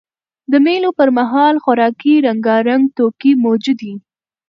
د مېلو پر مهال خوراکي رنګارنګ توکي موجود يي.